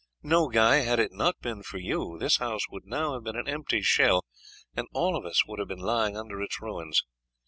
No, Guy, had it not been for you this house would now have been an empty shell, and all of us would have been lying under its ruins.